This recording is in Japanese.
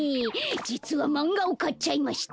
じつはマンガをかっちゃいました。